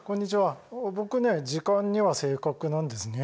時間には正確なんですね。